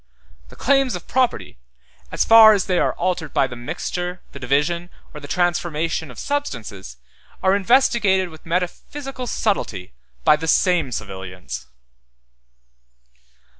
The claims of property, as far as they are altered by the mixture, the division, or the transformation of substances, are investigated with metaphysical subtilty by the same civilians.